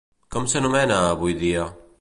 Com s'anomena, avui dia?